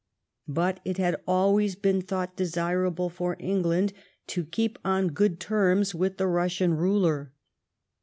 But it had always been thought desirable for England to keep on good terms with the Eussian ruler.